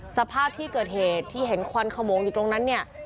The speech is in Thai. สภาพที่เกิดเหตุที่เห็นควันขโมงอยู่ตรงนั้นเนี่ย